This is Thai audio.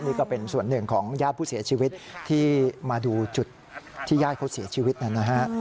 นี่ก็เป็นส่วนหนึ่งของญาติผู้เสียชีวิตที่มาดูจุดที่ญาติเขาเสียชีวิตนะฮะ